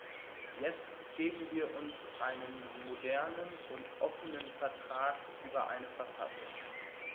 Jetzt geben wir uns einen modernen und offenen Vertrag über eine Verfassung.